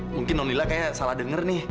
mungkin non lila kayaknya salah denger nih